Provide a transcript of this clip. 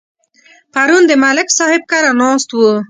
پرون د ملک صاحب کره ناست وو.